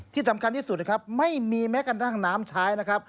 ที่สำคัญที่สุดนะครับไม่มีแม้กระทั่งน้ำใช้นะครับ